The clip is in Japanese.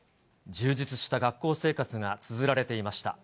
充実した学校生活がつづられていました。